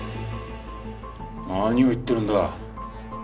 何を言ってるんだ？